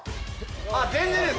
あっ全然です